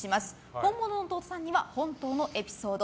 本物の弟さんには本物のエピソード。